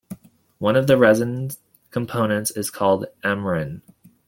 One of the resin components is called amyrin.